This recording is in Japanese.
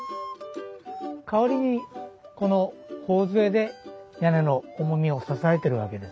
代わりにこの頬杖で屋根の重みを支えてるわけです。